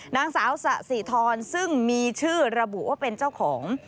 นางสาวสะสีทรซึ่งมีชื่อระบุว่าเป็นเจ้าของ